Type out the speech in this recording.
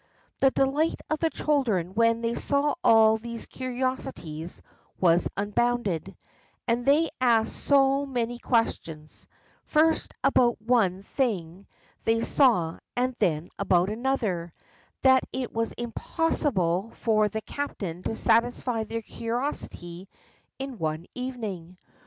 The delight of the children when they saw all these curiosities was unbounded, and they asked so many questions, first about one thing they saw and then about another, that it was impossible for the captain to satisfy their curiosity in one evening.